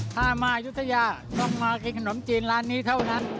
ถ้ามายุธยาต้องมากินขนมจีนร้านนี้เท่านั้น